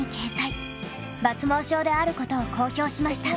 抜毛症であることを公表しました。